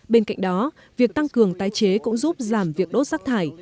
bên cạnh đó việc tăng cường tái chế cũng giúp giảm việc đốt rác thải